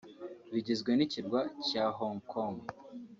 bigizwe n’Ikirwa cya Hong Kong